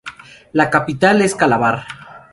La capital es Calabar.